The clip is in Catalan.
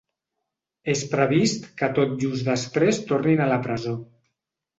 És previst que tot just després tornin a la presó.